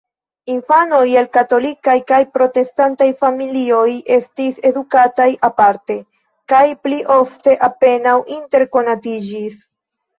Infanoj el katolikaj kaj protestantaj familioj estis edukataj aparte, kaj pli ofte apenaŭ interkonatiĝis.